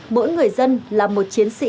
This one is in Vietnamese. mỗi người dân là một